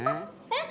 えっ！